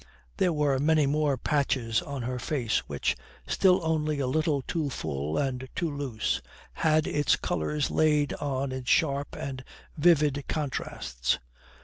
There were many more patches on her face which, still only a little too full and too loose, had its colours laid on in sharp and vivid contrasts.